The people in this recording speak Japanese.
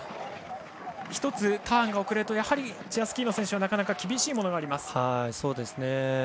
１つ、ターンが遅れるとチェアスキーの選手はなかなか厳しいものがあります。